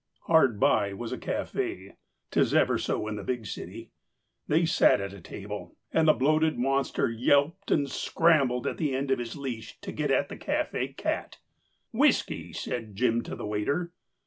Hard by was a café. 'Tis ever so in the big city. They sat at a table, and the bloated monster yelped and scrambled at the end of his leash to get at the café cat. "Whiskey," said Jim to the waiter.